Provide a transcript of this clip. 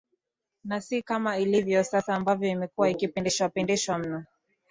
Na si kama ilivyo sasa ambavyo imekuwa ikipindishwa pindishwa mno